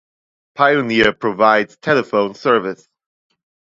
Pioneer provides telephone service.